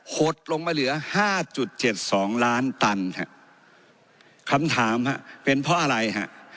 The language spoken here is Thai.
หดลงมาเหลือ๕๗๒ล้านตันค่ะคำถามค่ะเป็นเพราะอะไรค่ะ